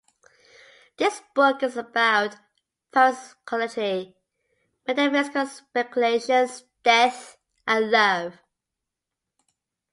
This book is about parapsychology, metaphysical speculations, death, and love.